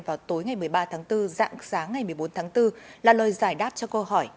vào tối ngày một mươi ba tháng bốn dạng sáng ngày một mươi bốn tháng bốn là lời giải đáp cho câu hỏi